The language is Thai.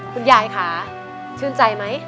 คุณยายค่ะชื่นใจไหม